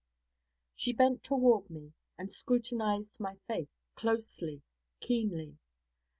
She bent toward me and scrutinized my face closely, keenly.